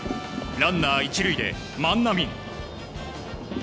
ランナー１塁で万波。